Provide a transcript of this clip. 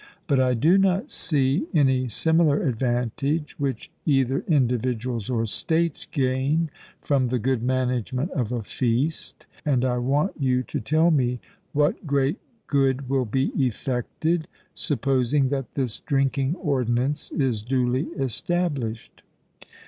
But I do not see any similar advantage which either individuals or states gain from the good management of a feast; and I want you to tell me what great good will be effected, supposing that this drinking ordinance is duly established.